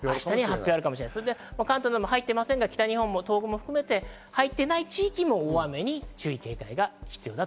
関東なども入っていませんが、北日本、東北も含めて入っていない地域も大雨に注意警戒が必要です。